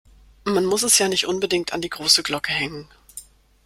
Man muss es ja nicht unbedingt an die große Glocke hängen.